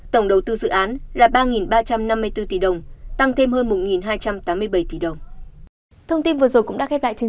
tổng đầu tư dự án là ba ba trăm năm mươi bốn tỷ đồng tăng thêm hơn một hai trăm tám mươi bảy tỷ đồng